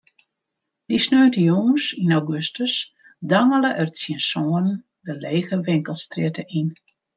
Dy sneontejûns yn augustus dangele er tsjin sânen de lege winkelstrjitte yn.